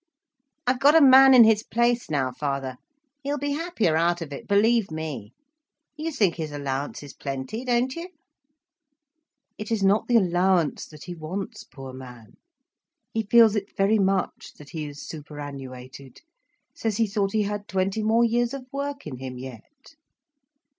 "I've got a man in his place now, father. He'll be happier out of it, believe me. You think his allowance is plenty, don't you?" "It is not the allowance that he wants, poor man. He feels it very much, that he is superannuated. Says he thought he had twenty more years of work in him yet."